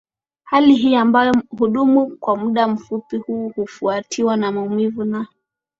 Hali hii ambayo hudumu kwa muda mfupi tu hufuatiwa na maumivu na